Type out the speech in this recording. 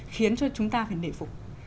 khiến cho chúng ta phải nể phục